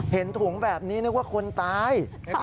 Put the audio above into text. ถุงแบบนี้นึกว่าคนตาย